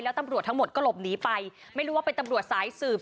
แล้วตำรวจทั้งหมดก็หลบหนีไปไม่รู้ว่าเป็นตำรวจสายสืบ